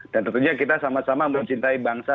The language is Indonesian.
dan tentunya kita sama sama mencintai bangsa